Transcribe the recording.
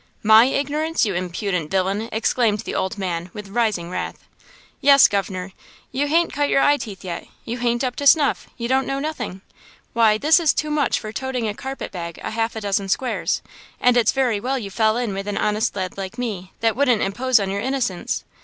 "My ignorance, you impudent villain!" exclaimed the old man, with rising wrath. "Yes, governor; you hain't cut your eye teeth yet! you hain't up to snuff! you don't know nothing! Why, this is too much for toting a carpet bag a half a dozen squares; and it's very well you fell in with a honest lad like me, that wouldn't impose on your innocence.